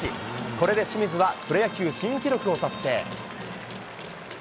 これで清水はプロ野球新記録を達成。